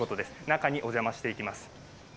中にお邪魔していきます。